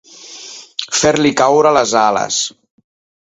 Fer-li caure les ales.